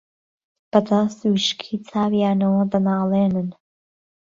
بەدەست وشکی چاویانەوە دەناڵێنن